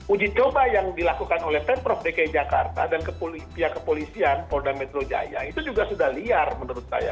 uji coba yang dilakukan oleh pemprov dki jakarta dan pihak kepolisian polda metro jaya itu juga sudah liar menurut saya